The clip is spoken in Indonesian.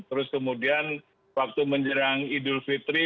terus kemudian waktu menjelang idul fitri